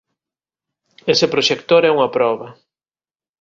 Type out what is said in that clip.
Ese proxector é unha proba.